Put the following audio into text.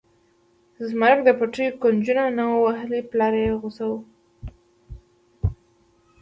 زمرک د پټي کونجونه نه و وهلي پلار یې غوسه و.